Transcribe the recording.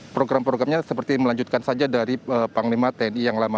program programnya seperti melanjutkan saja dari panglima tni yang lama